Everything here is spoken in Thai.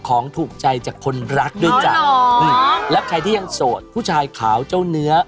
ของถูกใจจากคนรักด้วยจ้ะและใครที่ยังโสดผู้ชายขาวเจ้าเนื้อ